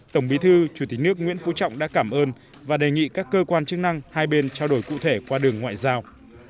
tổng bí thư chủ tịch nước nguyễn phú trọng đã cảm ơn và đề nghị các cơ quan chức năng hai bên trao đổi cụ thể qua đường ngoại giao